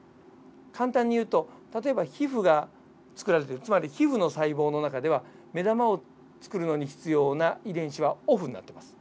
簡単に言うと例えば皮膚が作られていくつまり皮膚の細胞の中では目玉を作るのに必要な遺伝子はオフになってます。